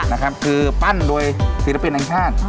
นะครับคือปั้นโดยศิลปินแห่งชาติ